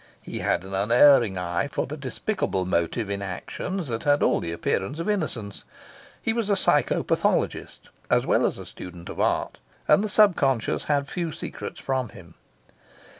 He had an unerring eye for the despicable motive in actions that had all the appearance of innocence. He was a psycho pathologist, as well as a student of art, and the subconscious had few secrets from him.